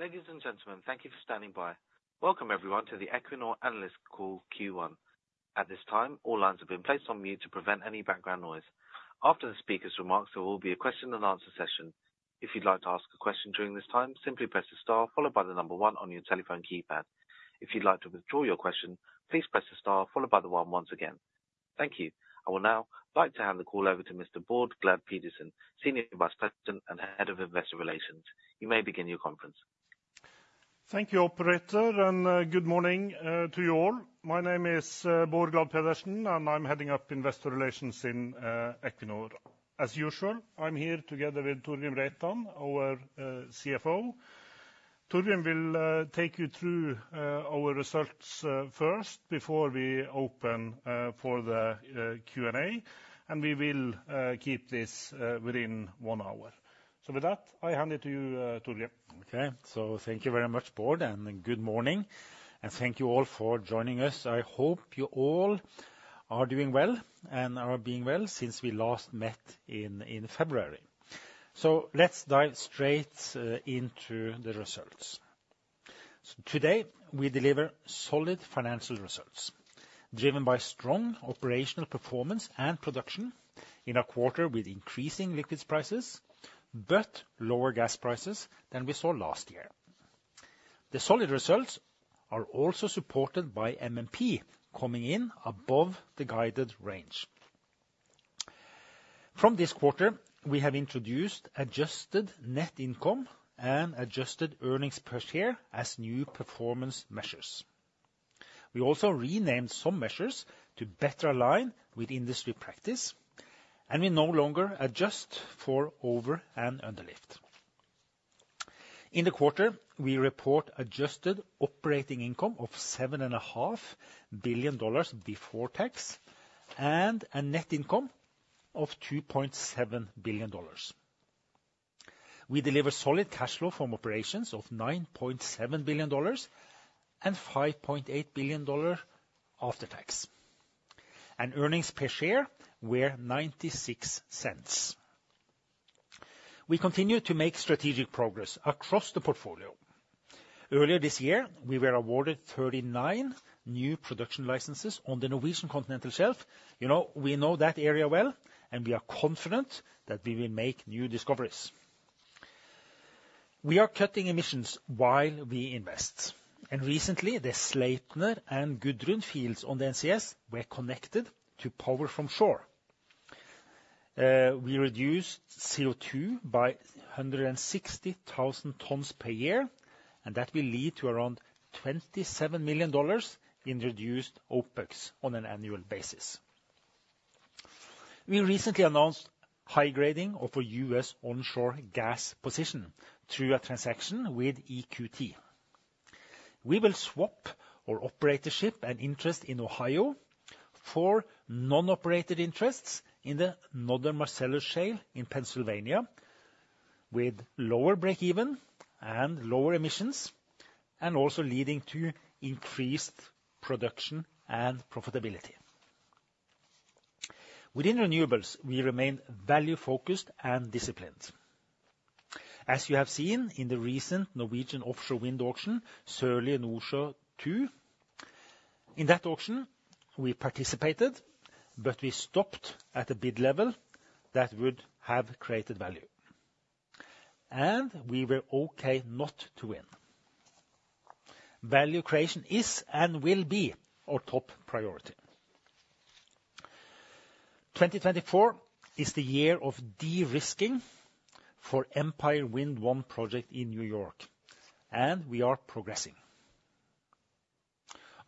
Ladies and gentlemen, thank you for standing by. Welcome, everyone, to the Equinor Analyst Call Q1. At this time, all lines have been placed on mute to prevent any background noise. After the speaker's remarks, there will be a question-and-answer session. If you'd like to ask a question during this time, simply press the star followed by the number one on your telephone keypad. If you'd like to withdraw your question, please press the star followed by the 1 once again. Thank you. I will now like to hand the call over to Mr. Bård Glad Pedersen, Senior Vice President and Head of Investor Relations. You may begin your conference. Thank you, Operator, and good morning to you all. My name is Bård Glad Pedersen, and I'm heading up Investor Relations in Equinor. As usual, I'm here together with Torgrim Reitan, our CFO. Torgrim will take you through our results first before we open for the Q&A, and we will keep this within one hour. With that, I hand it to you, Torgrim. Okay, so thank you very much, Bård, and good morning. Thank you all for joining us. I hope you all are doing well and are being well since we last met in February. Let's dive straight into the results. Today, we deliver solid financial results, driven by strong operational performance and production in a quarter with increasing liquids prices but lower gas prices than we saw last year. The solid results are also supported by MMP coming in above the guided range. From this quarter, we have introduced adjusted net income and adjusted earnings per share as new performance measures. We also renamed some measures to better align with industry practice, and we no longer adjust for over and underlifting. In the quarter, we report adjusted operating income of $7.5 billion before tax and a net income of $2.7 billion. We deliver solid cash flow from operations of $9.7 billion and $5.8 billion after tax, and earnings per share were $0.96. We continue to make strategic progress across the portfolio. Earlier this year, we were awarded 39 new production licenses on the Norwegian Continental Shelf. We know that area well, and we are confident that we will make new discoveries. We are cutting emissions while we invest. Recently, the Sleipner and Gudrun fields on the NCS were connected to power from shore. We reduced CO2 by 160,000 tonnes per year, and that will lead to around $27 million in reduced OPEX on an annual basis. We recently announced high-grading of our U.S. onshore gas position through a transaction with EQT. We will swap our operated assets and interest in Ohio for non-operated interests in the Northern Marcellus Shale in Pennsylvania, with lower break-even and lower emissions, and also leading to increased production and profitability. Within renewables, we remain value-focused and disciplined. As you have seen in the recent Norwegian offshore wind auction, Sørlige Nordsjø II, in that auction we participated but we stopped at a bid level that would have created value. We were okay not to win. Value creation is and will be our top priority. 2024 is the year of de-risking for Empire Wind 1 project in New York, and we are progressing.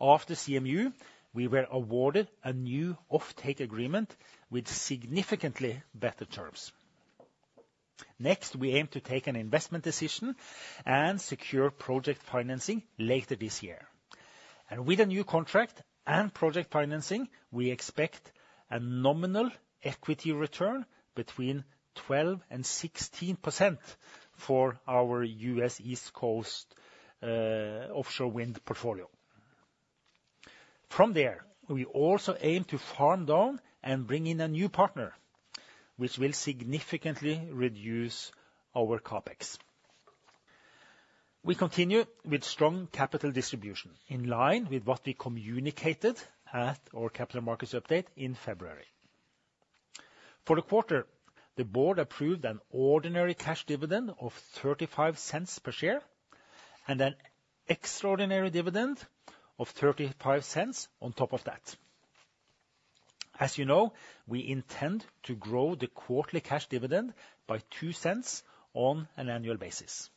After CMU, we were awarded a new off-take agreement with significantly better terms. Next, we aim to take an investment decision and secure project financing later this year. With a new contract and project financing, we expect a nominal equity return between 12%-16% for our U.S. East Coast offshore wind portfolio. From there, we also aim to farm down and bring in a new partner, which will significantly reduce our CAPEX. We continue with strong capital distribution, in line with what we communicated at our Capital Markets Update in February. For the quarter, the board approved an ordinary cash dividend of $0.35 per share, and an extraordinary dividend of $0.35 on top of that. As you know, we intend to grow the quarterly cash dividend by $0.02 on an annual basis.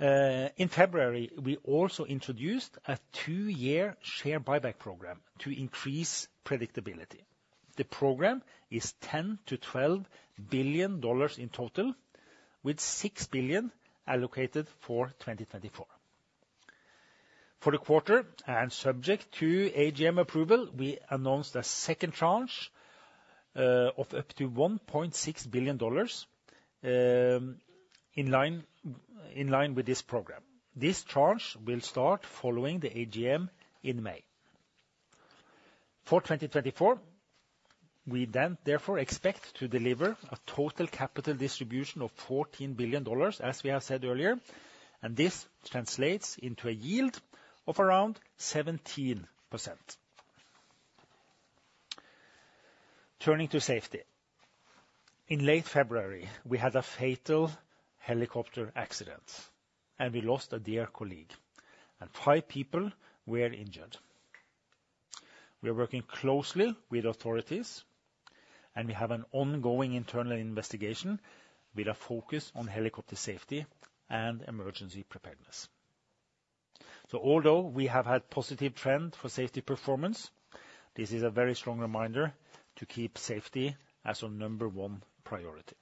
In February, we also introduced a 2-year share buyback program to increase predictability. The program is $10 billion-$12 billion in total, with $6 billion allocated for 2024. For the quarter, and subject to AGM approval, we announced a second tranche of up to $1.6 billion, in line with this program. This tranche will start following the AGM in May. For 2024, we then therefore expect to deliver a total capital distribution of $14 billion, as we have said earlier, and this translates into a yield of around 17%. Turning to safety. In late February, we had a fatal helicopter accident, and we lost a dear colleague, and five people were injured. We are working closely with authorities, and we have an ongoing internal investigation with a focus on helicopter safety and emergency preparedness. So although we have had a positive trend for safety performance, this is a very strong reminder to keep safety as our number one priority.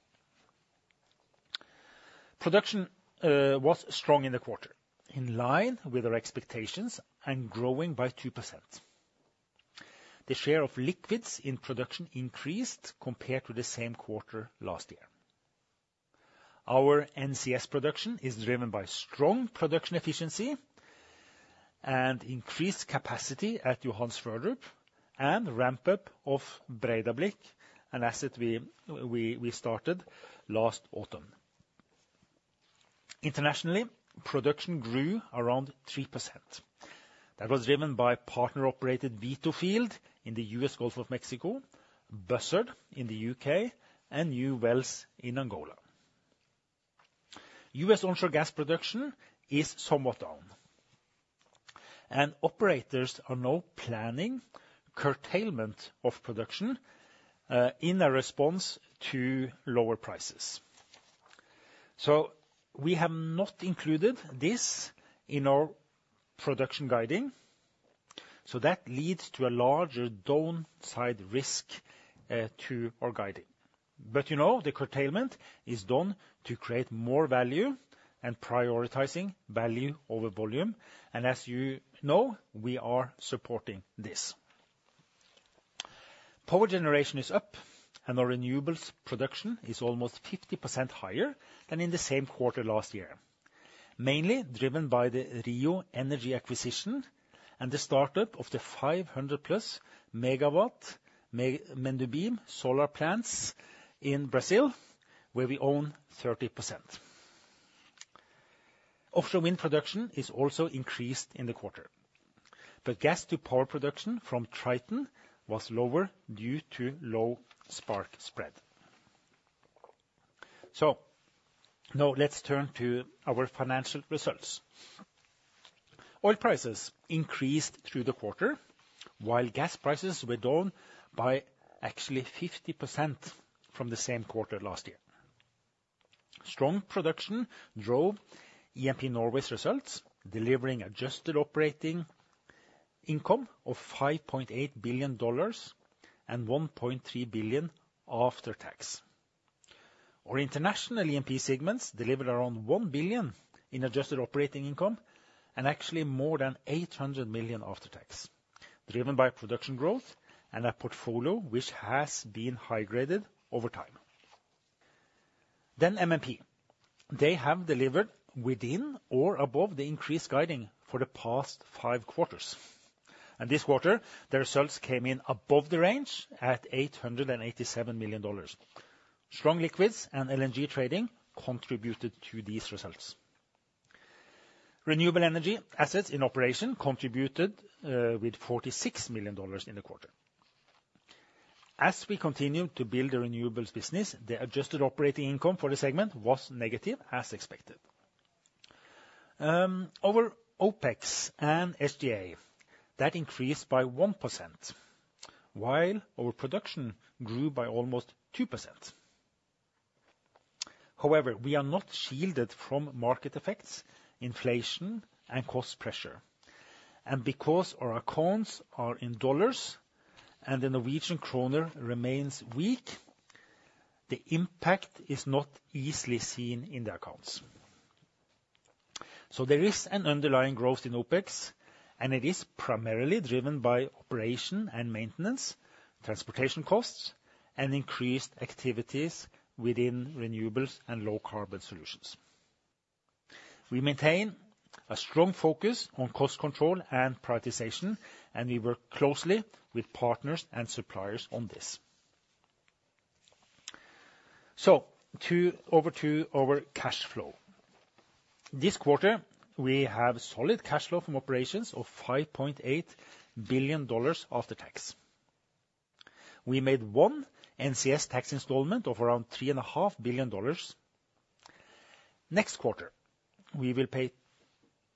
Production was strong in the quarter, in line with our expectations, and growing by 2%. The share of liquids in production increased compared to the same quarter last year. Our NCS production is driven by strong production efficiency and increased capacity at Johan Sverdrup and ramp-up of Bredablikk, an asset we started last autumn. Internationally, production grew around 3%. That was driven by partner-operated Vito field in the U.S. Gulf of Mexico, Buzzard in the U.K., and new wells in Angola. U.S. onshore gas production is somewhat down, and operators are now planning curtailment of production in a response to lower prices. So we have not included this in our production guiding, so that leads to a larger downside risk to our guiding. But you know the curtailment is done to create more value, and prioritizing value over volume. And as you know, we are supporting this. Power generation is up, and our renewables production is almost 50% higher than in the same quarter last year. Mainly driven by the Rio Energy acquisition and the startup of the 500+ MW Mendubim solar plants in Brazil, where we own 30%. Offshore wind production is also increased in the quarter. But gas-to-power production from Triton was lower due to low spark spread. So now let's turn to our financial results. Oil prices increased through the quarter, while gas prices were down by actually 50% from the same quarter last year. Strong production drove E&P Norway's results, delivering adjusted operating income of $5.8 billion and $1.3 billion after tax. Our international E&P segments delivered around $1 billion in adjusted operating income and actually more than $800 million after tax, driven by production growth and a portfolio which has been high-graded over time. Then MMP. They have delivered within or above the increased guiding for the past five quarters. This quarter, their results came in above the range at $887 million. Strong liquids and LNG trading contributed to these results. Renewable energy assets in operation contributed with $46 million in the quarter. As we continue to build the renewables business, the adjusted operating income for the segment was negative, as expected. Our OPEX and SG&A that increased by 1%, while our production grew by almost 2%. However, we are not shielded from market effects, inflation, and cost pressure. And because our accounts are in dollars and the Norwegian krone remains weak, the impact is not easily seen in the accounts. So there is an underlying growth in OPEX, and it is primarily driven by operation and maintenance, transportation costs, and increased activities within renewables and low-carbon solutions. We maintain a strong focus on cost control and prioritization, and we work closely with partners and suppliers on this. So over to our cash flow. This quarter, we have solid cash flow from operations of $5.8 billion after tax. We made one NCS tax installment of around $3.5 billion. Next quarter, we will pay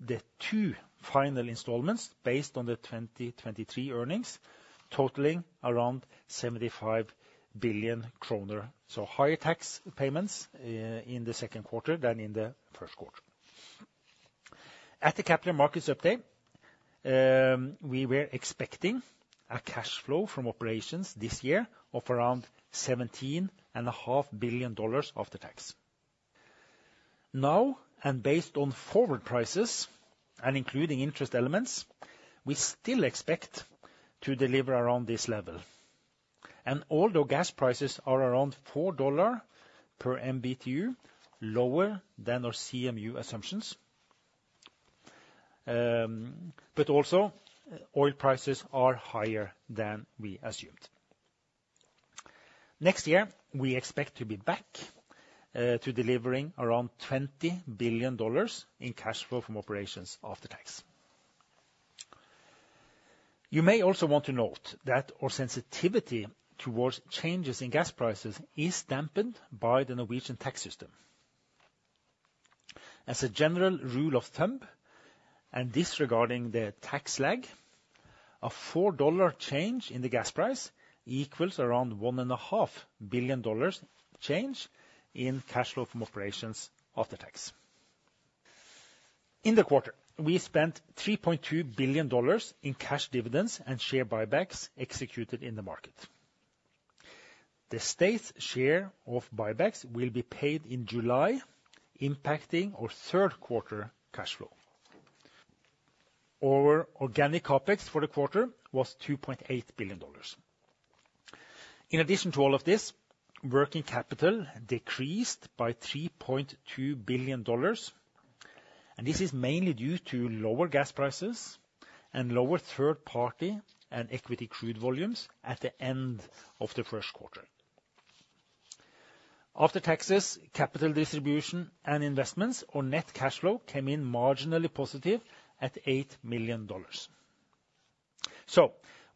the two final installments based on the 2023 earnings, totaling around 75 billion kroner. So higher tax payments in the second quarter than in the first quarter. At the capital markets update, we were expecting a cash flow from operations this year of around $17.5 billion after tax. Now, and based on forward prices and including interest elements, we still expect to deliver around this level. And although gas prices are around $4 per MMBtu, lower than our CMU assumptions. But also, oil prices are higher than we assumed. Next year, we expect to be back to delivering around $20 billion in cash flow from operations after tax. You may also want to note that our sensitivity towards changes in gas prices is dampened by the Norwegian tax system. As a general rule of thumb, and disregarding the tax lag, a $4 change in the gas price equals around $1.5 billion change in cash flow from operations after tax. In the quarter, we spent $3.2 billion in cash dividends and share buybacks executed in the market. The state's share of buybacks will be paid in July, impacting our third quarter cash flow. Our organic CAPEX for the quarter was $2.8 billion. In addition to all of this, working capital decreased by $3.2 billion. This is mainly due to lower gas prices and lower third-party and equity crude volumes at the end of the first quarter. After taxes, capital distribution and investments, our net cash flow came in marginally positive at $8 million.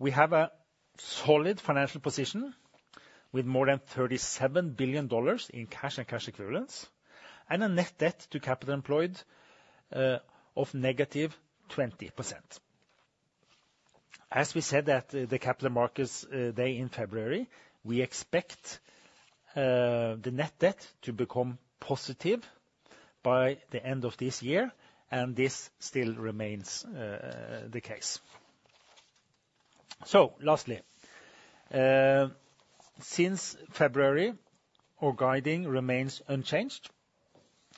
We have a solid financial position with more than $37 billion in cash and cash equivalents, and a net debt to capital employed of -20%. As we said at the capital markets day in February, we expect the net debt to become positive by the end of this year, and this still remains the case. Lastly, since February, our guidance remains unchanged.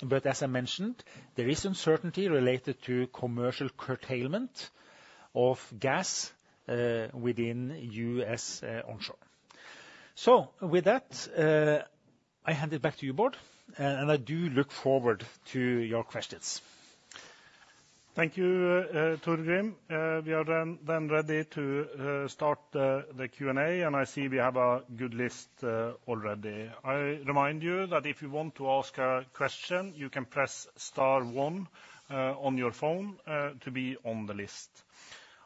But as I mentioned, there is uncertainty related to commercial curtailment of gas within U.S. onshore. With that, I hand it back to you, Bård, and I do look forward to your questions. Thank you, Torgrim. We are then ready to start the Q&A, and I see we have a good list already. I remind you that if you want to ask a question, you can press star 1 on your phone to be on the list.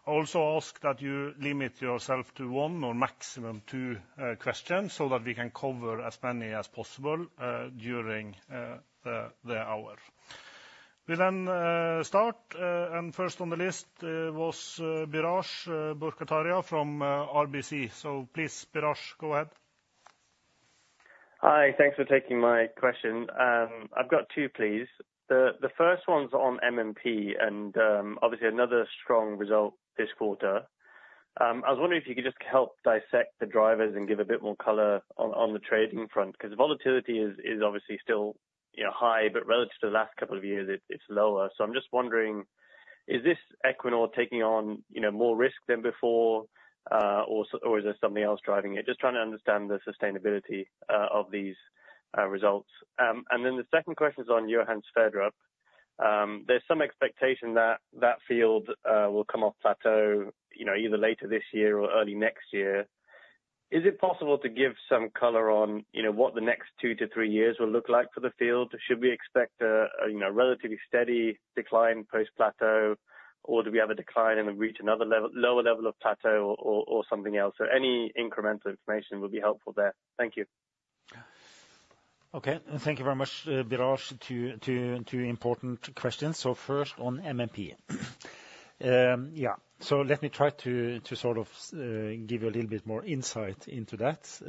I also ask that you limit yourself to one or maximum two questions so that we can cover as many as possible during the hour. We then start, and first on the list was Biraj Borkhataria from RBC. So please, Biraj, go ahead. Hi, thanks for taking my question. I've got two, please. The first one's on MMP, and obviously another strong result this quarter. I was wondering if you could just help dissect the drivers and give a bit more color on the trading front. Because volatility is obviously still high, but relative to the last couple of years, it's lower. So I'm just wondering, is this Equinor taking on more risk than before, or is there something else driving it? Just trying to understand the sustainability of these results. And then the second question's on Johan Sverdrup. There's some expectation that that field will come off plateau either later this year or early next year. Is it possible to give some color on what the next two to three years will look like for the field? Should we expect a relatively steady decline post-plateau, or do we have a decline and reach another lower level of plateau or something else? So any incremental information would be helpful there. Thank you. OK, thank you very much, Biraj, for two important questions. So first on MMP. Yeah, so let me try to sort of give you a little bit more insight into that.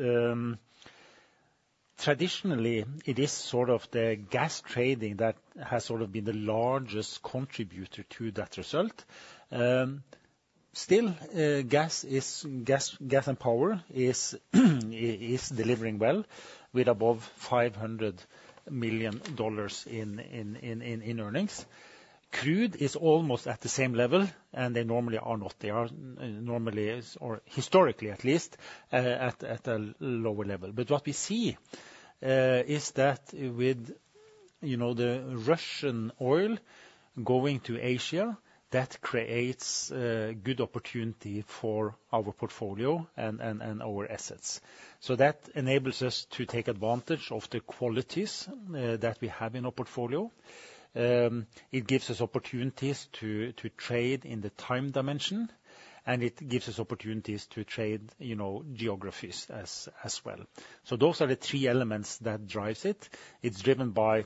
Traditionally, it is sort of the gas trading that has sort of been the largest contributor to that result. Still, gas and power is delivering well, with above $500 million in earnings. Crude is almost at the same level, and they normally are not. They are normally, or historically at least, at a lower level. But what we see is that with the Russian oil going to Asia, that creates good opportunity for our portfolio and our assets. So that enables us to take advantage of the qualities that we have in our portfolio. It gives us opportunities to trade in the time dimension, and it gives us opportunities to trade geographies as well. So those are the three elements that drive it. It's driven by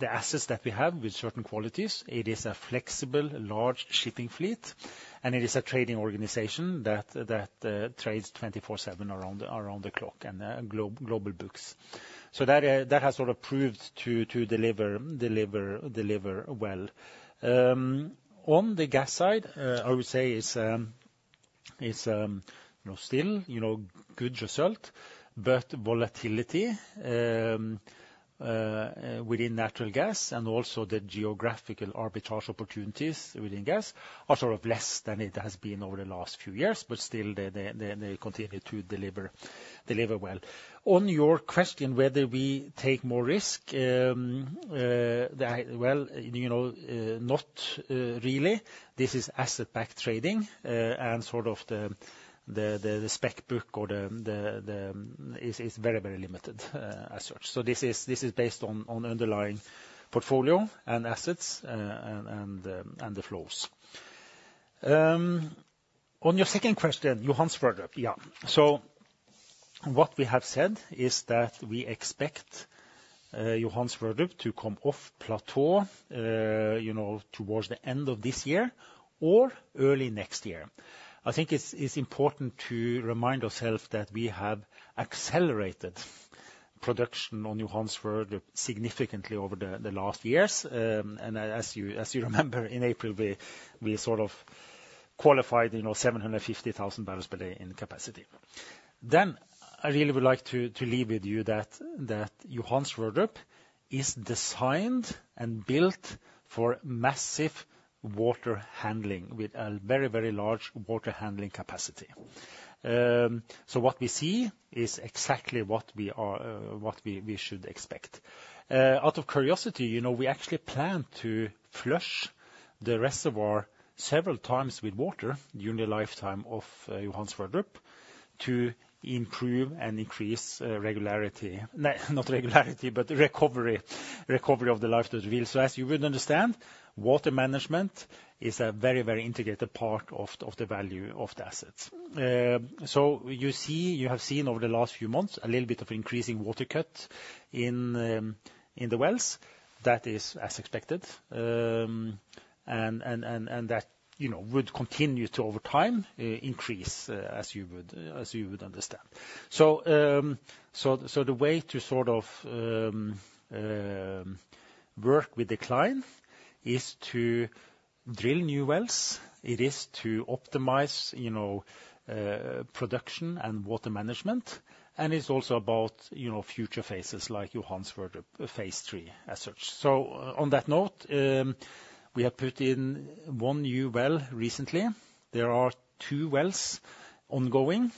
the assets that we have with certain qualities. It is a flexible, large shipping fleet, and it is a trading organization that trades 24/7 around the clock and global books. So that has sort of proved to deliver well. On the gas side, I would say it's still a good result. But volatility within natural gas and also the geographical arbitrage opportunities within gas are sort of less than it has been over the last few years. But still, they continue to deliver well. On your question whether we take more risk, well, not really. This is asset-backed trading, and sort of the spec book is very, very limited as such. So this is based on underlying portfolio and assets and the flows. On your second question, Johan Sverdrup, yeah. So what we have said is that we expect Johan Sverdrup to come off plateau towards the end of this year or early next year. I think it's important to remind ourselves that we have accelerated production on Johan Sverdrup significantly over the last years. And as you remember, in April, we sort of qualified 750,000 bpd in capacity. Then I really would like to leave with you that Johan Sverdrup is designed and built for massive water handling, with a very, very large water handling capacity. So what we see is exactly what we should expect. Out of curiosity, we actually plan to flush the reservoir several times with water during the lifetime of Johan Sverdrup to improve and increase regularity not regularity, but recovery of the life that it will. So as you would understand, water management is a very, very integrated part of the value of the assets. So you have seen over the last few months a little bit of increasing water cut in the wells. That is as expected. And that would continue to, over time, increase, as you would understand. So the way to sort of work with decline is to drill new wells. It is to optimize production and water management. And it's also about future phases, like Johan Sverdrup Phase 3 as such. So on that note, we have put in one new well recently. There are two wells ongoing.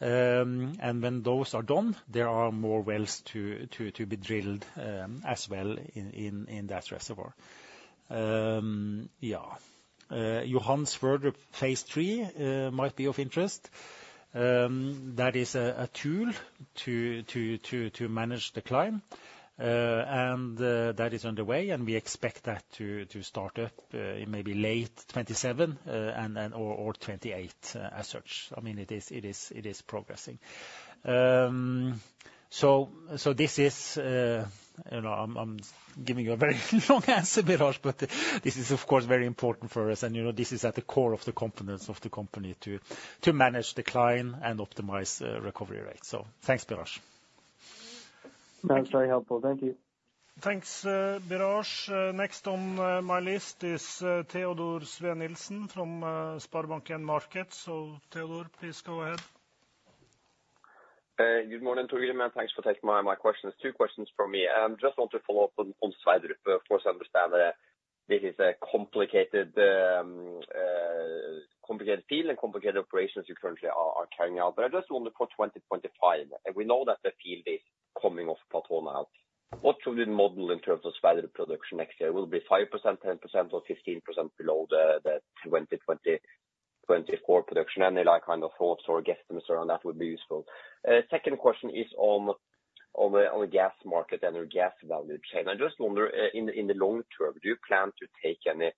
And when those are done, there are more wells to be drilled as well in that reservoir. Yeah. Johan Sverdrup Phase 3 might be of interest. That is a tool to manage decline. That is underway, and we expect that to start up maybe late 2027 or 2028 as such. I mean, it is progressing. So this is—I'm giving you a very long answer, Biraj. But this is, of course, very important for us. And this is at the core of the competence of the company to manage decline and optimize recovery rates. So thanks, Biraj. That was very helpful. Thank you. Thanks, Biraj. Next on my list is Teodor Sveen-Nilsen from SpareBank 1 Markets. So, Teodor, please go ahead. Good morning, Torgrim. Thanks for taking my questions. Two questions from me. I just want to follow up on Sverdrup. For us to understand that this is a complicated field and complicated operations you currently are carrying out. I just wonder for 2025. We know that the field is coming off plateau now. What should we model in terms of Sverdrup production next year? Will it be 5%, 10%, or 15% below the 2024 production? Any kind of thoughts or guesstimates around that would be useful. Second question is on the gas market and your gas value chain. I just wonder, in the long term, do you plan to take any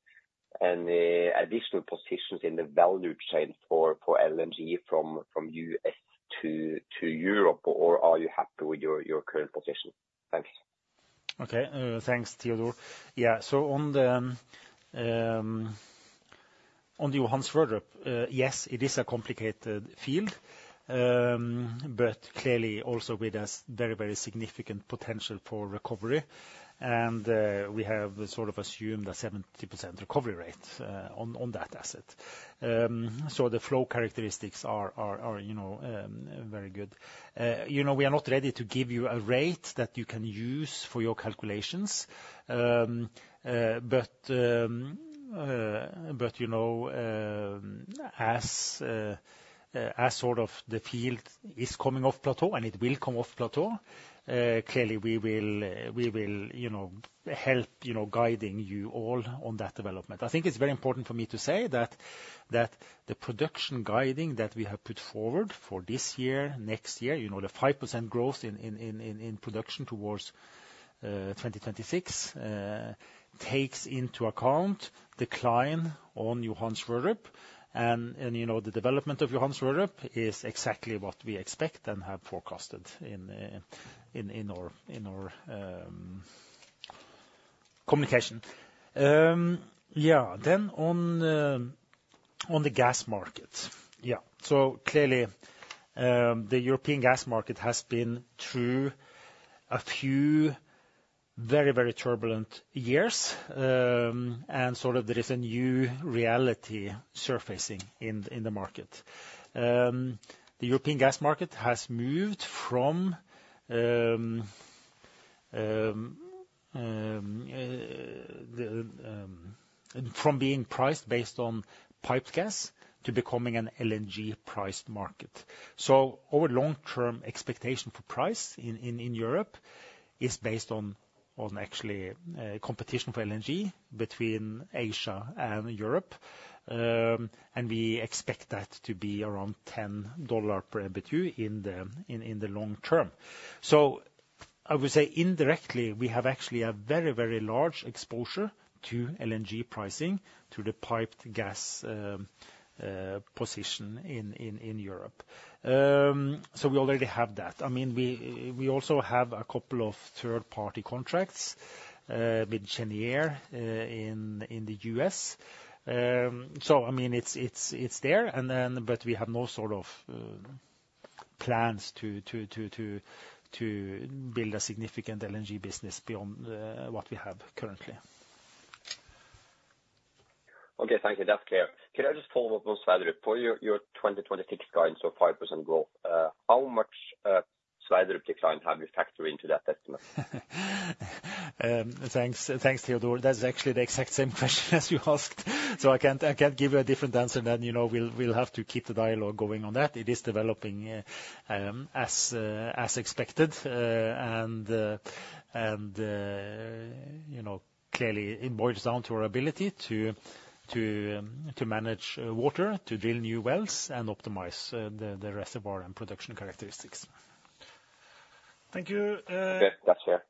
additional positions in the value chain for LNG from U.S. to Europe? Or are you happy with your current position? Thanks. OK, thanks, Teodor. Yeah, so on the Johan Sverdrup, yes, it is a complicated field. But clearly, also with a very, very significant potential for recovery. And we have sort of assumed a 70% recovery rate on that asset. So the flow characteristics are very good. We are not ready to give you a rate that you can use for your calculations. But as sort of the field is coming off plateau, and it will come off plateau, clearly, we will help guiding you all on that development. I think it's very important for me to say that the production guiding that we have put forward for this year, next year, the 5% growth in production towards 2026 takes into account decline on Johan Sverdrup. And the development of Johan Sverdrup is exactly what we expect and have forecasted in our communication. Yeah, then on the gas market. Yeah, so clearly, the European gas market has been through a few very, very turbulent years. Sort of there is a new reality surfacing in the market. The European gas market has moved from being priced based on piped gas to becoming an LNG-priced market. Our long-term expectation for price in Europe is based on actually competition for LNG between Asia and Europe. And we expect that to be around $10 per MMBtu in the long term. So I would say, indirectly, we have actually a very, very large exposure to LNG pricing through the piped gas position in Europe. So we already have that. I mean, we also have a couple of third-party contracts with Cheniere in the US. So I mean, it's there. But we have no sort of plans to build a significant LNG business beyond what we have currently. OK, thank you. That's clear. Can I just follow up on Sverdrup? For your 2026 guidance of 5% growth, how much Sverdrup decline have you factored into that estimate? Thanks, Teodor. That's actually the exact same question as you asked. So I can't give you a different answer than we'll have to keep the dialogue going on that. It is developing as expected. And clearly, it boils down to our ability to manage water, to drill new wells, and optimize the reservoir and production characteristics. Thank you. OK, that's fair.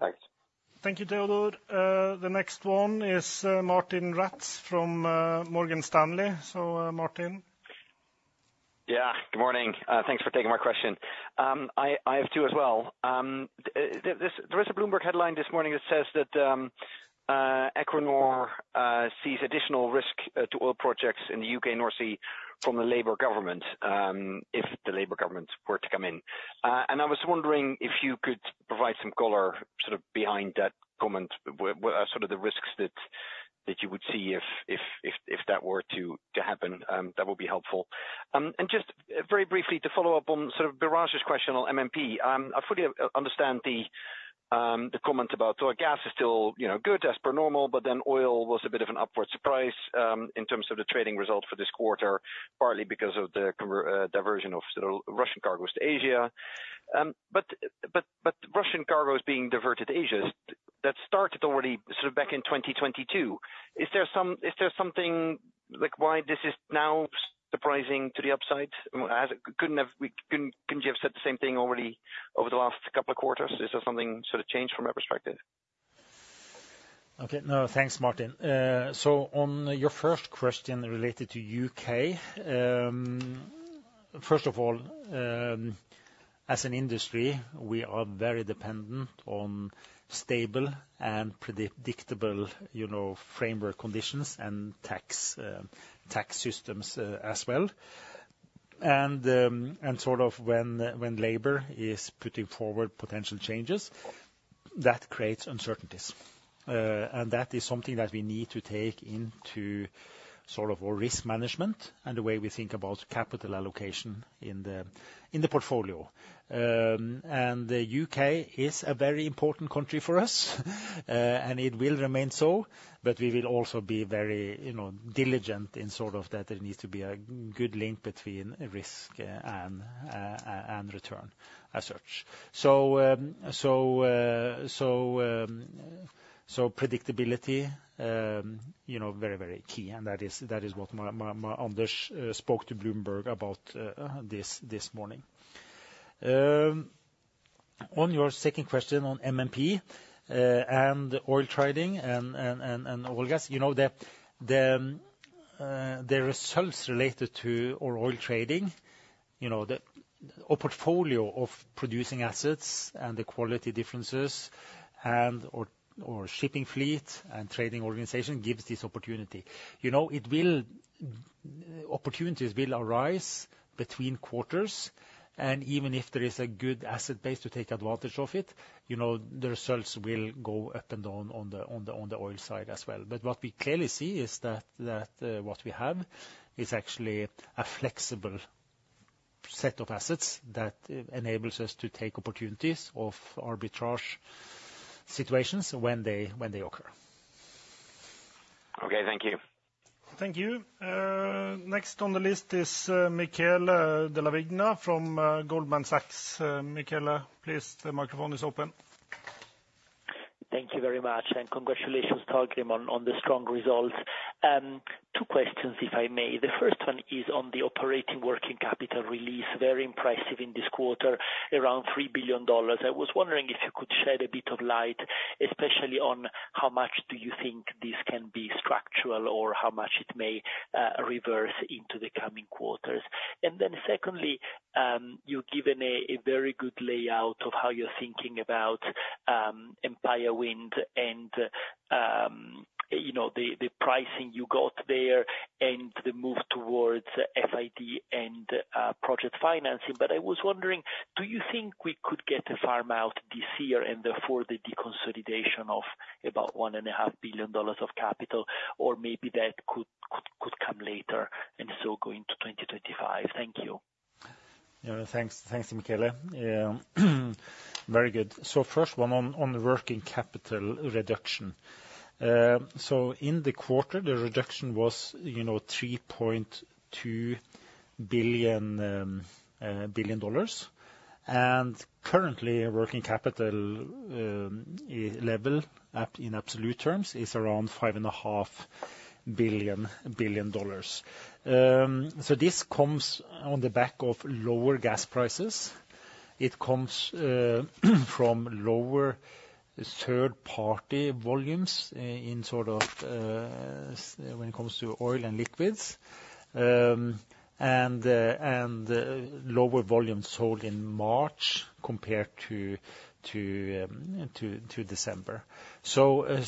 Thanks. Thank you, Teodor. The next one is Martijn Rats from Morgan Stanley. So, Martijn. Yeah, good morning. Thanks for taking my question. I have two as well. There is a Bloomberg headline this morning that says that Equinor sees additional risk to oil projects in the U.K. and North Sea from the Labour government, if the Labour government were to come in. And I was wondering if you could provide some color sort of behind that comment, sort of the risks that you would see if that were to happen. That would be helpful. And just very briefly, to follow up on sort of Biraj's question on MMP, I fully understand the comment about oil gas is still good, as per normal. But then oil was a bit of an upward surprise in terms of the trading result for this quarter, partly because of the diversion of Russian cargoes to Asia. But Russian cargoes being diverted to Asia, that started already sort of back in 2022. Is there something like why this is now surprising to the upside? Couldn't you have said the same thing already over the last couple of quarters? Is there something sort of changed from that perspective? OK, no, thanks, Martijn. So on your first question related to the U.K., first of all, as an industry, we are very dependent on stable and predictable framework conditions and tax systems as well. And sort of when Labour is putting forward potential changes, that creates uncertainties. And that is something that we need to take into sort of our risk management and the way we think about capital allocation in the portfolio. And the U.K. is a very important country for us, and it will remain so. But we will also be very diligent in sort of that there needs to be a good link between risk and return as such. So predictability, very, very key. And that is what Anders spoke to Bloomberg about this morning. On your second question on MMP and oil trading and oil gas, the results related to our oil trading, our portfolio of producing assets and the quality differences and our shipping fleet and trading organization give this opportunity. Opportunities will arise between quarters. Even if there is a good asset base to take advantage of it, the results will go up and down on the oil side as well. What we clearly see is that what we have is actually a flexible set of assets that enables us to take opportunities of arbitrage situations when they occur. OK, thank you. Thank you. Next on the list is Michele Della Vigna from Goldman Sachs. Michele, please. The microphone is open. Thank you very much. Congratulations, Torgrim, on the strong results. Two questions, if I may. The first one is on the operating working capital release, very impressive in this quarter, around $3 billion. I was wondering if you could shed a bit of light, especially on how much do you think this can be structural or how much it may reverse into the coming quarters. Then secondly, you've given a very good layout of how you're thinking about Empire Wind and the pricing you got there and the move towards FID and project financing. I was wondering, do you think we could get a farm out this year and therefore the deconsolidation of about $1.5 billion of capital? Or maybe that could come later and so go into 2025? Thank you. Thanks, Michele. Very good. First one on the working capital reduction. In the quarter, the reduction was $3.2 billion. Currently, working capital level in absolute terms is around $5.5 billion. This comes on the back of lower gas prices. It comes from lower third-party volumes when it comes to oil and liquids. Lower volumes sold in March compared to December. That's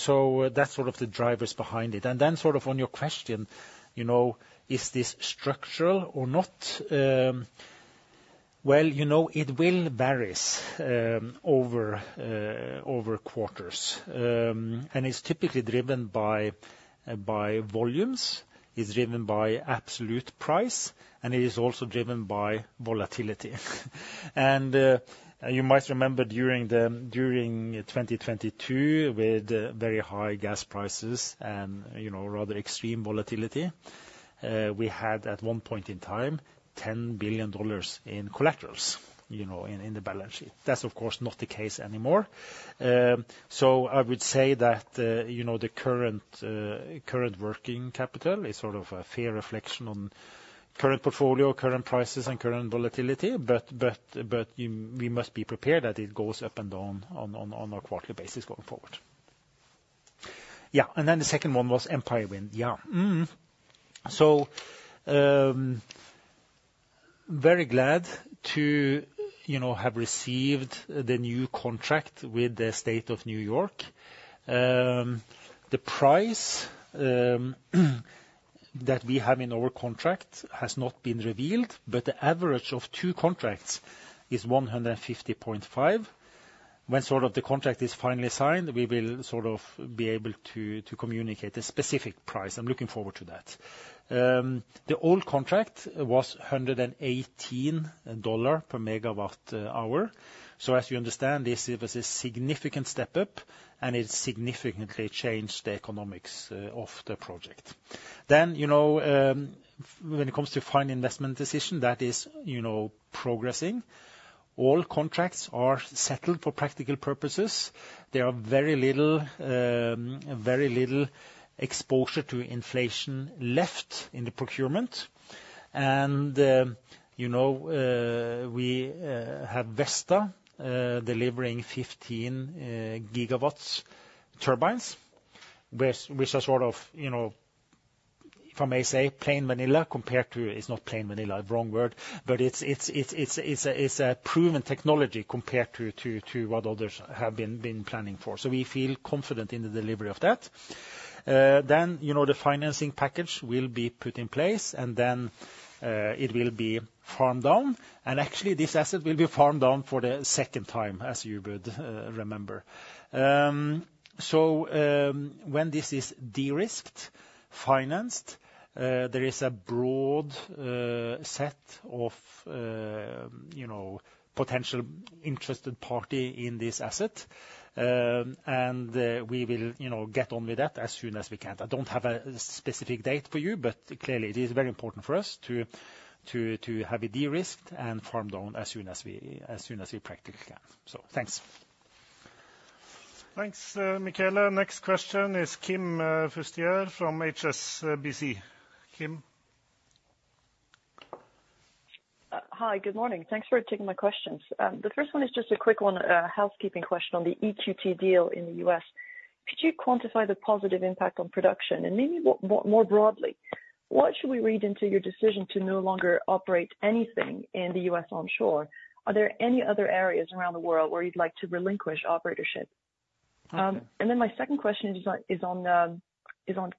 sort of the drivers behind it. Then sort of on your question, is this structural or not? Well, it will vary over quarters. It's typically driven by volumes. It's driven by absolute price. It is also driven by volatility. You might remember, during 2022, with very high gas prices and rather extreme volatility, we had, at one point in time, $10 billion in collaterals in the balance sheet. That's, of course, not the case anymore. So I would say that the current working capital is sort of a fair reflection on current portfolio, current prices, and current volatility. But we must be prepared that it goes up and down on a quarterly basis going forward. Yeah, and then the second one was Empire Wind. Yeah. So very glad to have received the new contract with the State of New York. The price that we have in our contract has not been revealed. But the average of two contracts is $150.50. When sort of the contract is finally signed, we will sort of be able to communicate a specific price. I'm looking forward to that. The old contract was $118 per megawatt hour. So as you understand, this was a significant step up. And it significantly changed the economics of the project. Then, when it comes to final investment decision, that is progressing. All contracts are settled for practical purposes. There are very little exposure to inflation left in the procurement. And we have Vestas delivering 15 MW turbines, which are sort of, if I may say, plain vanilla compared to it's not plain vanilla, wrong word. But it's a proven technology compared to what others have been planning for. So we feel confident in the delivery of that. Then the financing package will be put in place. And then it will be farmed down. And actually, this asset will be farmed down for the second time, as you would remember. So when this is de-risked, financed, there is a broad set of potential interested parties in this asset. And we will get on with that as soon as we can. I don't have a specific date for you. But clearly, it is very important for us to have it de-risked and farmed down as soon as we practically can. So thanks. Thanks, Michele. Next question is Kim Fustier from HSBC. Kim. Hi, good morning. Thanks for taking my questions. The first one is just a quick one, a housekeeping question on the EQT deal in the U.S. Could you quantify the positive impact on production? And maybe more broadly, what should we read into your decision to no longer operate anything in the U.S. onshore? Are there any other areas around the world where you'd like to relinquish operatorship? And then my second question is on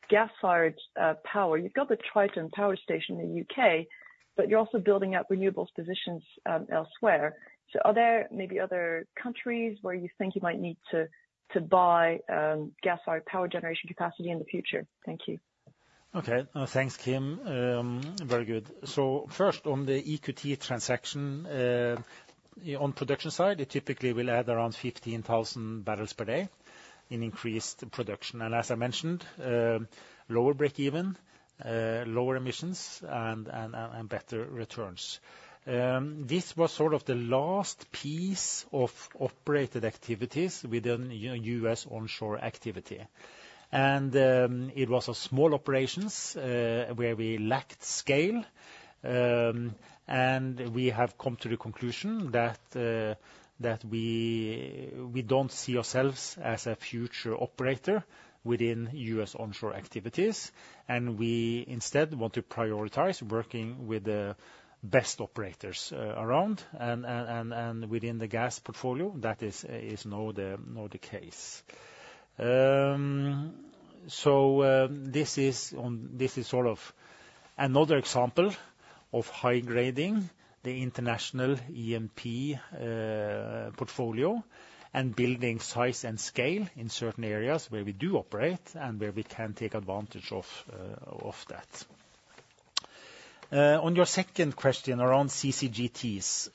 gas-fired power. You've got the Triton power station in the U.K. But you're also building up renewables positions elsewhere. So are there maybe other countries where you think you might need to buy gas-fired power generation capacity in the future? Thank you. OK, thanks, Kim. Very good. So first, on the EQT transaction, on production side, it typically will add around 15,000 bpd in increased production. And as I mentioned, lower break-even, lower emissions, and better returns. This was sort of the last piece of operated activities within U.S. onshore activity. And it was a small operation where we lacked scale. And we have come to the conclusion that we don't see ourselves as a future operator within U.S. onshore activities. And we instead want to prioritize working with the best operators around. And within the gas portfolio, that is now the case. So this is sort of another example of high-grading the international E&P portfolio and building size and scale in certain areas where we do operate and where we can take advantage of that. On your second question around CCGTs,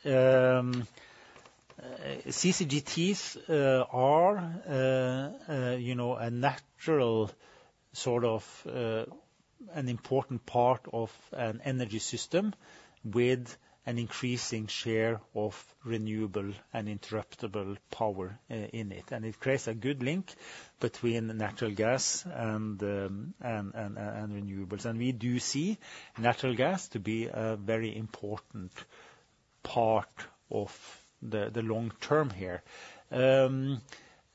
CCGTs are a natural sort of an important part of an energy system with an increasing share of renewable and interruptible power in it. And it creates a good link between natural gas and renewables. And we do see natural gas to be a very important part of the long term here.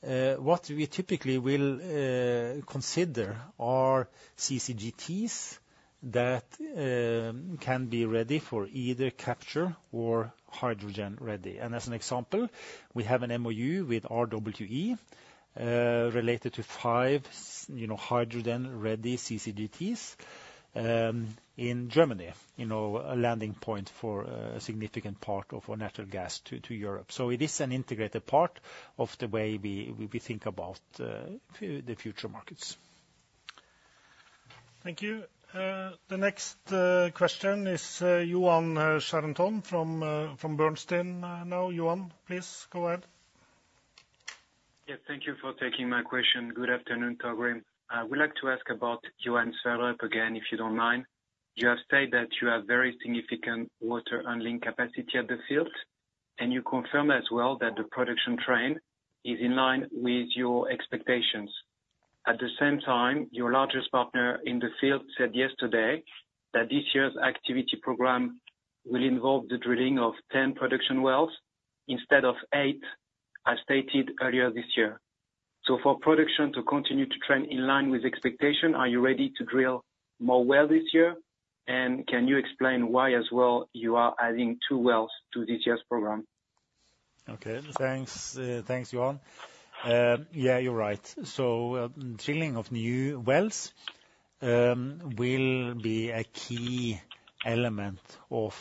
What we typically will consider are CCGTs that can be ready for either capture or hydrogen-ready. And as an example, we have an MOU with RWE related to 5 hydrogen-ready CCGTs in Germany, a landing point for a significant part of our natural gas to Europe. So it is an integrated part of the way we think about the future markets. Thank you. The next question is Yoann Charenton from Bernstein now. Yoann, please go ahead. Yes, thank you for taking my question. Good afternoon, Torgrim. I would like to ask about Johan's follow-up again, if you don't mind. You have said that you have very significant water injection capacity at the field. And you confirmed as well that the production trend is in line with your expectations. At the same time, your largest partner in the field said yesterday that this year's activity program will involve the drilling of 10 production wells instead of eight, as stated earlier this year. So for production to continue to trend in line with expectations, are you ready to drill more wells this year? And can you explain why as well you are adding two wells to this year's program? OK, thanks, Yoann. Yeah, you're right. So drilling of new wells will be a key element of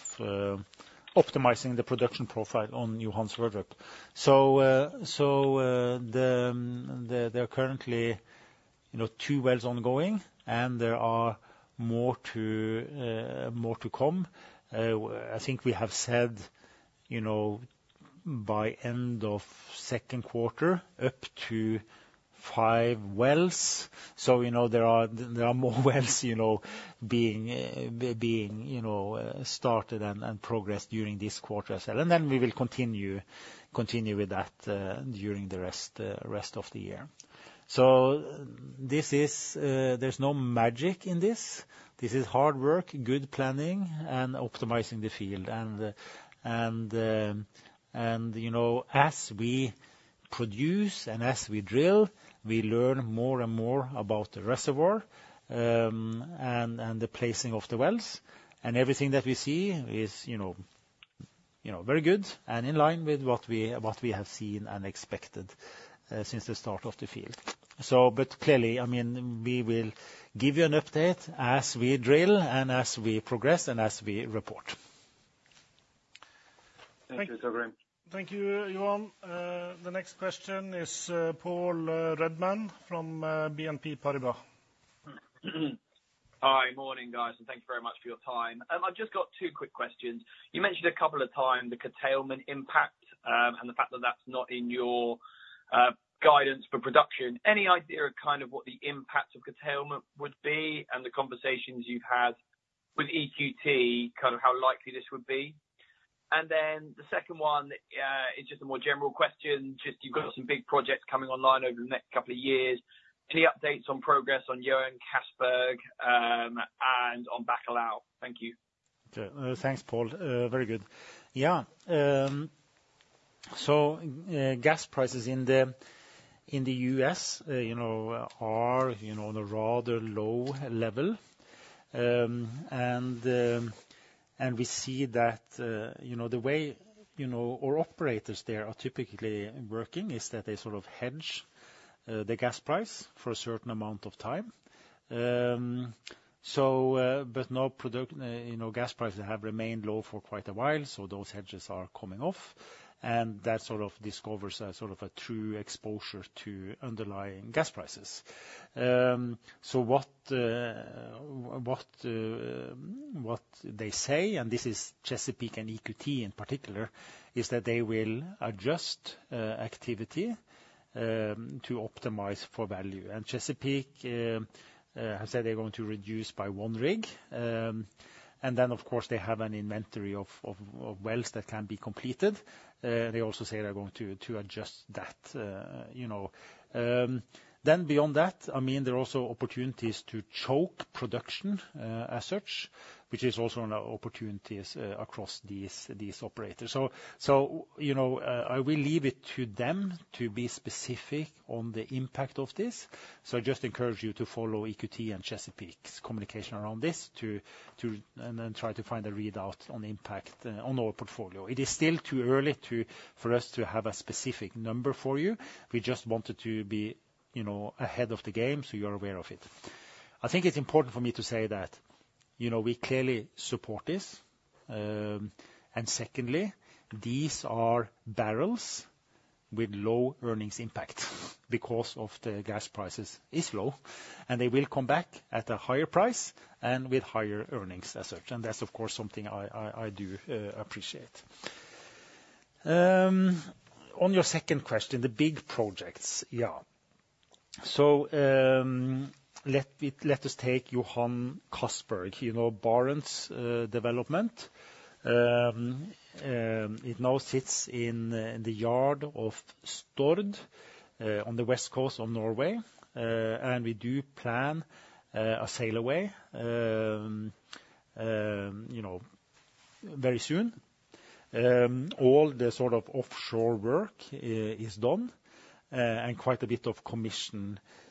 optimizing the production profile on Johan Sverdrup's roadmap. So there are currently two wells ongoing. And there are more to come. I think we have said by end of second quarter, up to five wells. So there are more wells being started and progressed during this quarter as well. And then we will continue with that during the rest of the year. So there's no magic in this. This is hard work, good planning, and optimizing the field. And as we produce and as we drill, we learn more and more about the reservoir and the placing of the wells. And everything that we see is very good and in line with what we have seen and expected since the start of the field. But clearly, I mean we will give you an update as we drill and as we progress and as we report. Thank you, Torgrim. Thank you, Yoann. The next question is Paul Redman from BNP Paribas. Hi, morning, guys. Thank you very much for your time. I've just got two quick questions. You mentioned a couple of times the curtailment impact and the fact that that's not in your guidance for production. Any idea of kind of what the impact of curtailment would be and the conversations you've had with EQT, kind of how likely this would be? Then the second one is just a more general question. Just you've got some big projects coming online over the next couple of years. Any updates on progress on Johan Castberg and on Bacalhau? Thank you. Thanks, Paul. Very good. Yeah. So gas prices in the U.S. are on a rather low level. And we see that the way our operators there are typically working is that they sort of hedge the gas price for a certain amount of time. But now gas prices have remained low for quite a while. So those hedges are coming off. And that sort of discovers sort of a true exposure to underlying gas prices. So what they say, and this is Chesapeake and EQT in particular, is that they will adjust activity to optimize for value. And Chesapeake has said they're going to reduce by one rig. And then, of course, they have an inventory of wells that can be completed. They also say they're going to adjust that. Then beyond that, I mean there are also opportunities to choke production as such, which is also an opportunity across these operators. So I will leave it to them to be specific on the impact of this. So I just encourage you to follow EQT and Chesapeake's communication around this and then try to find a readout on impact on our portfolio. It is still too early for us to have a specific number for you. We just wanted to be ahead of the game so you're aware of it. I think it's important for me to say that we clearly support this. And secondly, these are barrels with low earnings impact because the gas prices are low. And they will come back at a higher price and with higher earnings as such. And that's, of course, something I do appreciate. On your second question, the big projects, yeah. So let us take Johan Castberg, Barents development. It now sits in the yard of Stord on the west coast of Norway. We do plan a sail away very soon. All the sort of offshore work is done. Quite a bit of commission is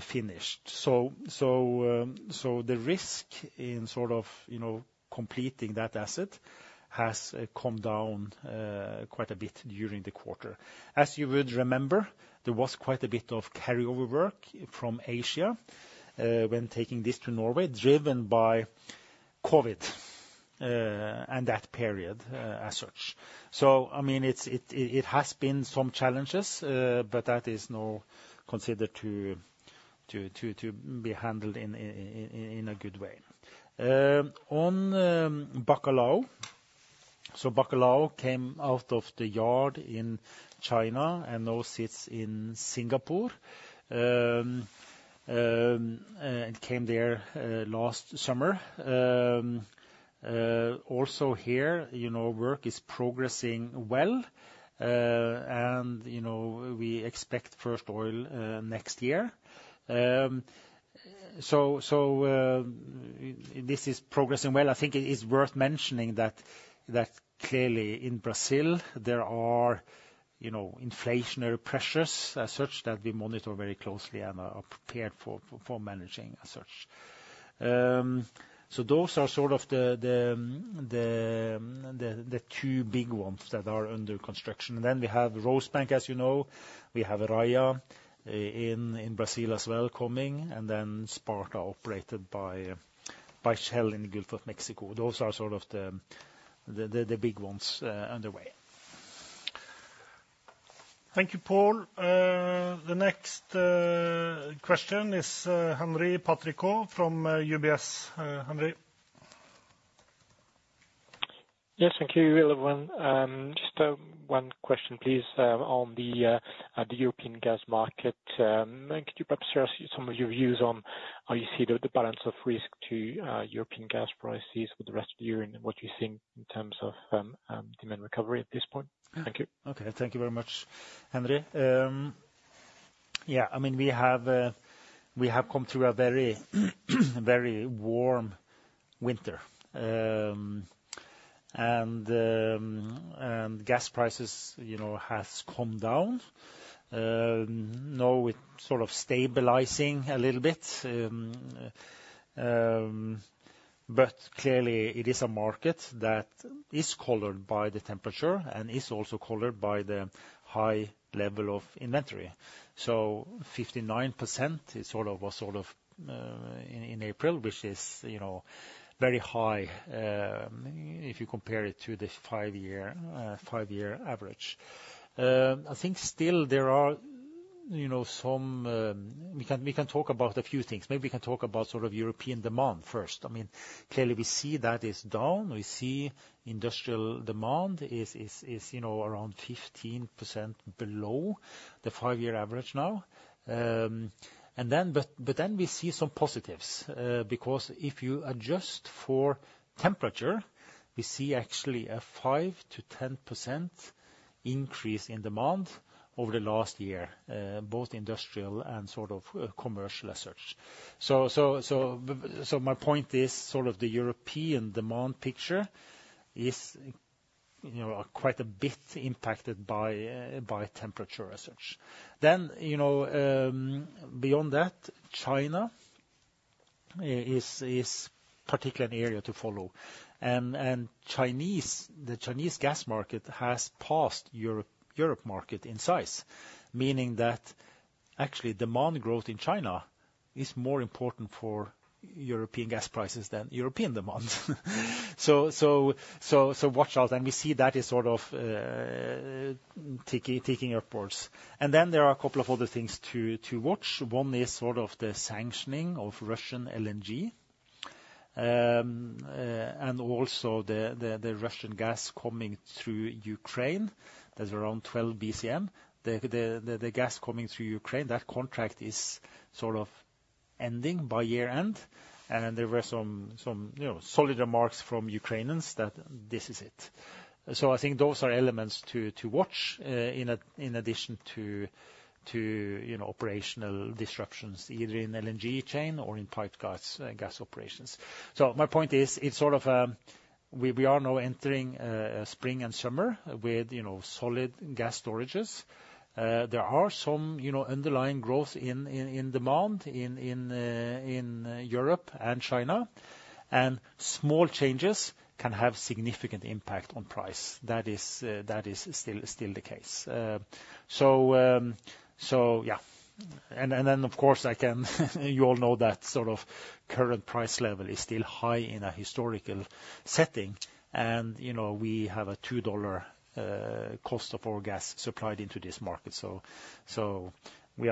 finished. So the risk in sort of completing that asset has come down quite a bit during the quarter. As you would remember, there was quite a bit of carryover work from Asia when taking this to Norway, driven by COVID and that period as such. So I mean it has been some challenges. But that is now considered to be handled in a good way. On Bacalhau, Bacalhau came out of the yard in China. Now sits in Singapore. It came there last summer. Also here, work is progressing well. We expect first oil next year. So this is progressing well. I think it is worth mentioning that clearly, in Brazil, there are inflationary pressures as such that we monitor very closely and are prepared for managing as such. So those are sort of the two big ones that are under construction. And then we have Rosebank, as you know. We have Raia in Brazil as well coming. And then Sparta, operated by Shell in the Gulf of Mexico. Those are sort of the big ones underway. Thank you, Paul. The next question is Henri Patricot from UBS. Henri. Yes, thank you, everyone. Just one question, please, on the European gas market. Could you perhaps share some of your views on how you see the balance of risk to European gas prices with the rest of the year and what you think in terms of demand recovery at this point? Thank you. OK, thank you very much, Henri. Yeah, I mean we have come through a very warm winter. Gas prices have come down. Now we're sort of stabilizing a little bit. Clearly, it is a market that is colored by the temperature and is also colored by the high level of inventory. 59% was sort of in April, which is very high if you compare it to the five-year average. I think still there are some we can talk about a few things. Maybe we can talk about sort of European demand first. I mean clearly, we see that is down. We see industrial demand is around 15% below the five-year average now. Then we see some positives. Because if you adjust for temperature, we see actually a 5%-10% increase in demand over the last year, both industrial and sort of commercial as such. So my point is sort of the European demand picture is quite a bit impacted by temperature as such. Then beyond that, China is particularly an area to follow. And the Chinese gas market has passed the Europe market in size, meaning that actually demand growth in China is more important for European gas prices than European demand. So watch out. And we see that is sort of ticking upwards. And then there are a couple of other things to watch. One is sort of the sanctioning of Russian LNG. And also the Russian gas coming through Ukraine. That's around 12 BCM. The gas coming through Ukraine, that contract is sort of ending by year-end. And there were some solid remarks from Ukrainians that this is it. So I think those are elements to watch in addition to operational disruptions, either in LNG chain or in pipeline gas operations. So my point is, it's sort of we are now entering spring and summer with solid gas storages. There are some underlying growth in demand in Europe and China. And small changes can have significant impact on price. That is still the case. So yeah. And then, of course, you all know that sort of current price level is still high in a historical setting. And we have a $2 cost of our gas supplied into this market. So this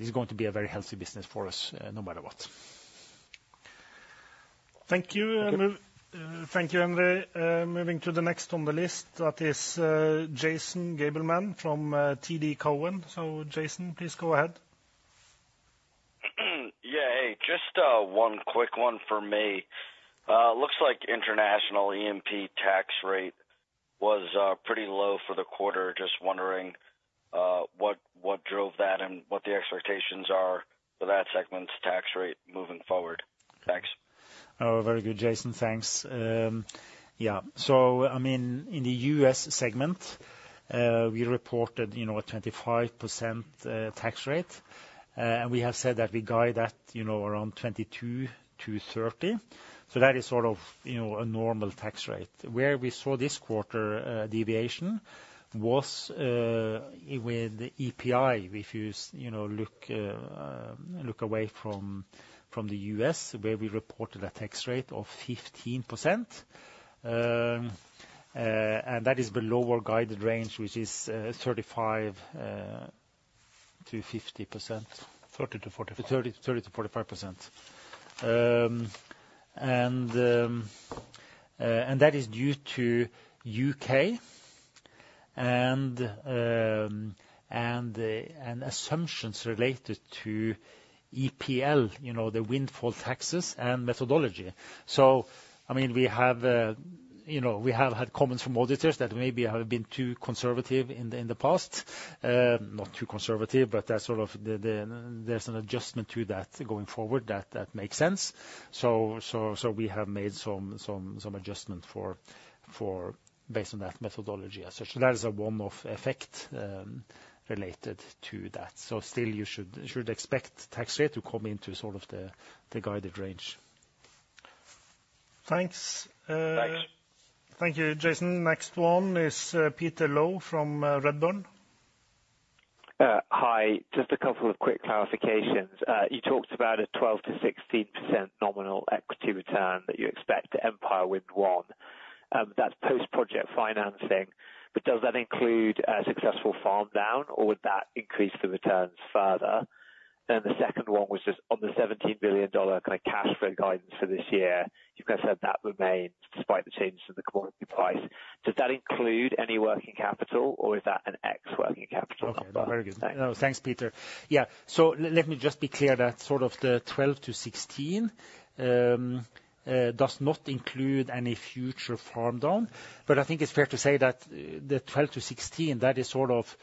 is going to be a very healthy business for us no matter what. Thank you. Thank you, Henri. Moving to the next on the list, that is Jason Gabelman from TD Cowen. So, Jason, please go ahead. Yeah, hey. Just one quick one for me. Looks like international E&P tax rate was pretty low for the quarter. Just wondering what drove that and what the expectations are for that segment's tax rate moving forward? Thanks. Oh, very good, Jason. Thanks. Yeah, so I mean in the U.S. segment, we reported a 25% tax rate. And we have said that we guide that around 22%-30%. So that is sort of a normal tax rate. Where we saw this quarter deviation was with the E&P. If you look away from the U.S., where we reported a tax rate of 15%. And that is below our guided range, which is 35%-50%. 30%-45%. And that is due to U.K. and assumptions related to EPL, the windfall taxes, and methodology. So I mean we have had comments from auditors that maybe I have been too conservative in the past. Not too conservative, but there's sort of an adjustment to that going forward that makes sense. So we have made some adjustments based on that methodology as such. So that is a one-off effect related to that. So still, you should expect tax rate to come into sort of the guided range. Thanks. Thanks. Thank you, Jason. Next one is Peter Low from Redburn. Hi. Just a couple of quick clarifications. You talked about a 12%-16% nominal equity return that you expect to Empire Wind 1. That's post-project financing. But does that include a successful farm down? Or would that increase the returns further? And the second one was just on the $17 billion kind of cash flow guidance for this year, you've kind of said that remains despite the changes in the commodity price. Does that include any working capital? Or is that an ex-working capital? OK, very good. No, thanks, Peter. Yeah, so let me just be clear that sort of the 12%-16% does not include any future farm down. But I think it's fair to say that the 12%-16%, that is sort of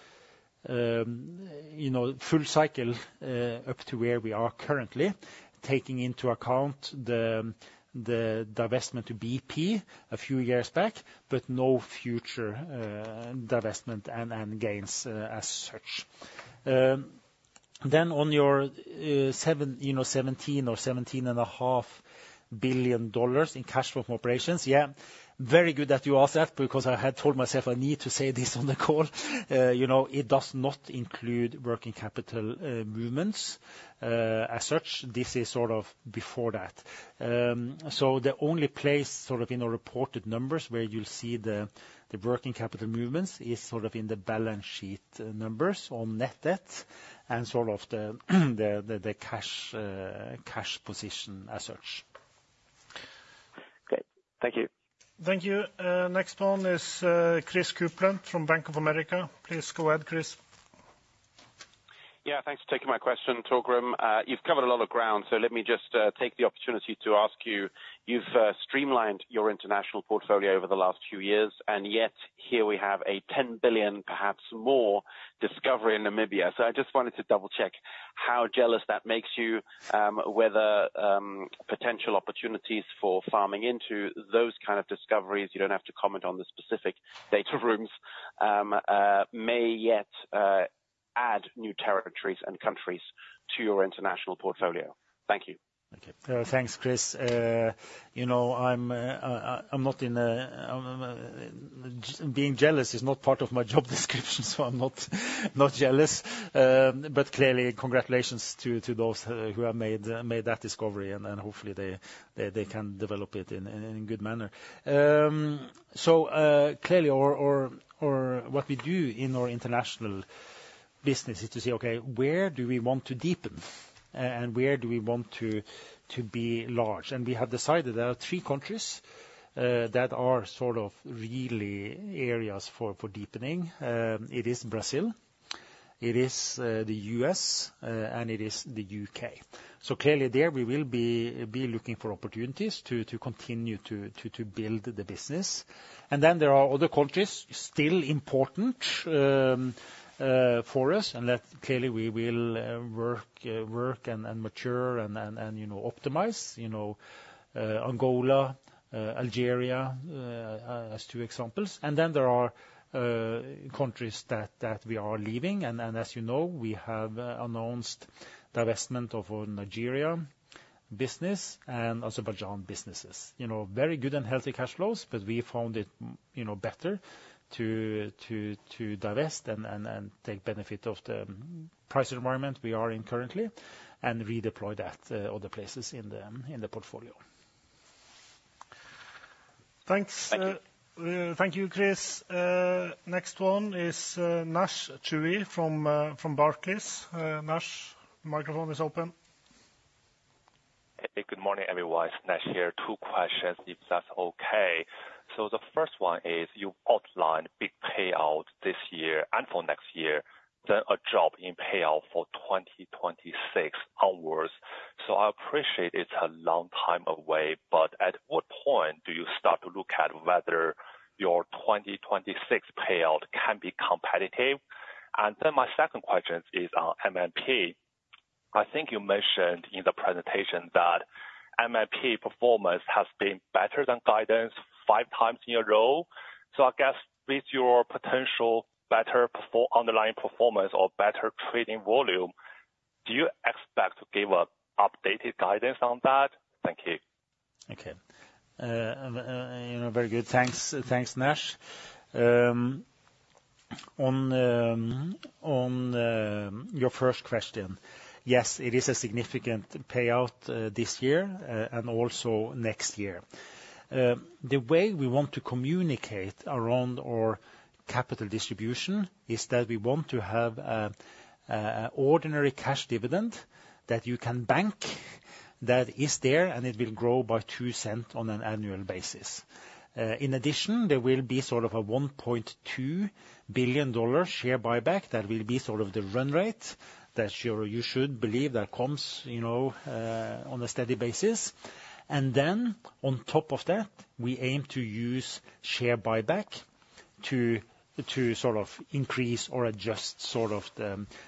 full cycle up to where we are currently, taking into account the divestment to BP a few years back, but no future divestment and gains as such. Then on your $17 billion or $17.5 billion in cash flow from operations, yeah, very good that you asked that. Because I had told myself I need to say this on the call. It does not include working capital movements as such. This is sort of before that. The only place sort of in our reported numbers where you'll see the working capital movements is sort of in the balance sheet numbers on net debt and sort of the cash position as such. Great. Thank you. Thank you. Next one is Chris Kuplent from Bank of America. Please go ahead, Chris. Yeah, thanks for taking my question, Torgrim. You've covered a lot of ground. So let me just take the opportunity to ask you, you've streamlined your international portfolio over the last few years. And yet, here we have a $10 billion, perhaps more, discovery in Namibia. So I just wanted to double-check how jealous that makes you, whether potential opportunities for farming into those kind of discoveries you don't have to comment on the specific data rooms may yet add new territories and countries to your international portfolio. Thank you. Thanks, Chris. You know, being jealous is not part of my job description. So I'm not jealous. But clearly, congratulations to those who have made that discovery. And hopefully, they can develop it in a good manner. So clearly, what we do in our international business is to see, OK, where do we want to deepen? And where do we want to be large? And we have decided there are three countries that are sort of really areas for deepening. It is Brazil. It is the U.S. And it is the U.K. So clearly, there we will be looking for opportunities to continue to build the business. And then there are other countries still important for us. And that clearly, we will work and mature and optimize. Angola, Algeria as two examples. And then there are countries that we are leaving. And as you know, we have announced divestment of Nigeria business and Azerbaijan businesses. Very good and healthy cash flows. But we found it better to divest and take benefit of the price environment we are in currently and redeploy that to other places in the portfolio. Thanks. Thank you, Chris. Next one is Naisheng Cui from Barclays. Naisheng, microphone is open. Hey, good morning, everyone. It's Naisheng here. Two questions, if that's OK. So the first one is, you outlined big payouts this year and for next year, then a drop in payout for 2026 onwards. So I appreciate it's a long time away. But at what point do you start to look at whether your 2026 payout can be competitive? And then my second question is on MMP. I think you mentioned in the presentation that MMP performance has been better than guidance five times in a row. So I guess with your potential better underlying performance or better trading volume, do you expect to give updated guidance on that? Thank you. OK. Very good. Thanks, Naisheng. On your first question, yes, it is a significant payout this year and also next year. The way we want to communicate around our capital distribution is that we want to have an ordinary cash dividend that you can bank that is there. And it will grow by $0.02 on an annual basis. In addition, there will be sort of a $1.2 billion share buyback. That will be sort of the run rate that you should believe that comes on a steady basis. And then on top of that, we aim to use share buyback to sort of increase or adjust sort of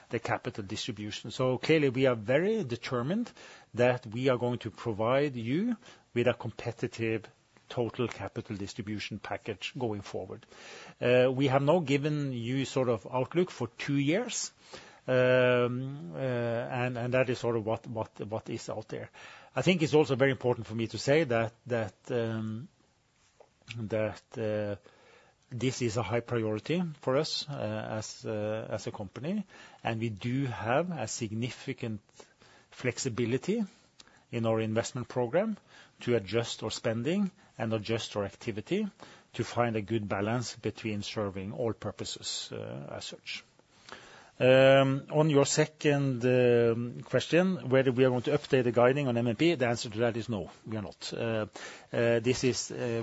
the capital distribution. So clearly, we are very determined that we are going to provide you with a competitive total capital distribution package going forward. We have now given you sort of outlook for two years. That is sort of what is out there. I think it's also very important for me to say that this is a high priority for us as a company. We do have a significant flexibility in our investment program to adjust our spending and adjust our activity to find a good balance between serving all purposes as such. On your second question, whether we are going to update the guidance on MMP, the answer to that is no, we are not. This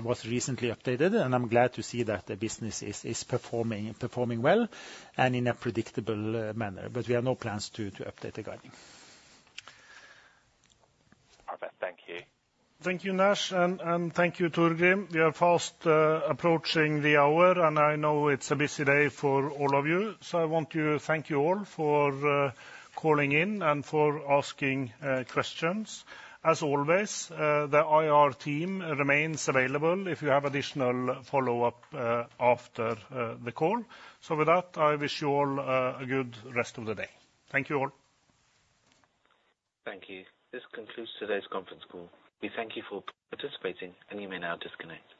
was recently updated. I'm glad to see that the business is performing well and in a predictable manner. We have no plans to update the guidance. Perfect. Thank you. Thank you, Naisheng. Thank you, Torgrim. We are fast approaching the hour. I know it's a busy day for all of you. I want to thank you all for calling in and for asking questions. As always, the IR team remains available if you have additional follow-up after the call. With that, I wish you all a good rest of the day. Thank you all. Thank you. This concludes today's conference call. We thank you for participating. You may now disconnect.